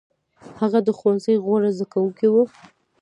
هغه د ښوونځي غوره زده کوونکی و.